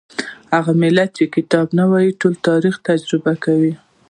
هغه ملت چې کتاب نه وايي ټول تاریخ تجربه کوي.